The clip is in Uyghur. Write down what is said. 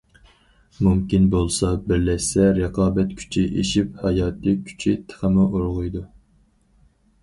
مۇمكىن بولسا بىرلەشسە رىقابەت كۈچى ئېشىپ ھاياتى كۈچى تېخىمۇ ئۇرغۇيدۇ.